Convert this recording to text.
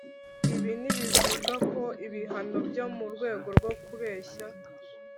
Ibi ntibivugako ibihano byo mu rwego rwo kubeshya